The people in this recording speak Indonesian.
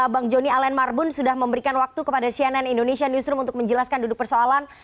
bang joni allen marbun sudah memberikan waktu kepada cnn indonesia newsroom untuk menjelaskan duduk persoalan